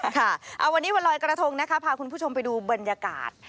ค่ะวันนี้วันลอยกระทงนะคะพาคุณผู้ชมไปดูบรรยากาศ